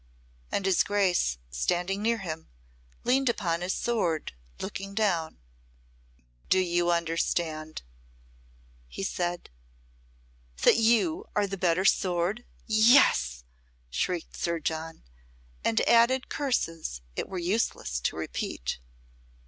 And his Grace, standing near him, leaned upon his sword, looking down. "Do you understand?" he said. "That you are the better sword Yes!" shrieked Sir John, and added curses it were useless to repeat.